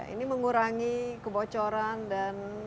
ini mengurangi kebocoran dan